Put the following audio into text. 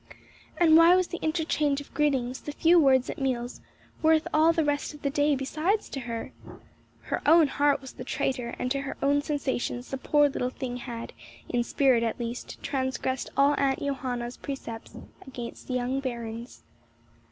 And why was the interchange of greetings, the few words at meals, worth all the rest of the day besides to her? Her own heart was the traitor, and to her own sensations the poor little thing had, in spirit at least, transgressed all Aunt Johanna's precepts against young Barons.